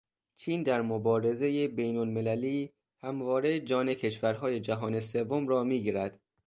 چین در مبارزهٔ بین المللی همواره جان کشورهای جهان سوم را میگیرد.